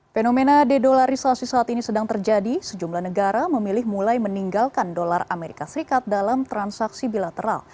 fenomena dedolarisasi saat ini sedang terjadi sejumlah negara memilih mulai meninggalkan dolar amerika serikat dalam transaksi bilateral